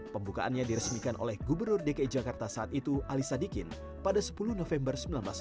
pembukaannya diresmikan oleh gubernur dki jakarta saat itu ali sadikin pada sepuluh november seribu sembilan ratus empat puluh